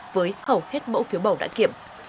với hầu hết mẫu phiếu bầu đã kiểm